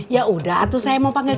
ya udah atuh saya mau panggil dia